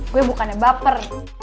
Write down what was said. gua bukannya baper